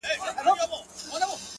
کور مي ورانېدی ورته کتله مي،